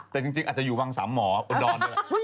แต่จริงอาจจะอยู่วังสามหมอดอนเลย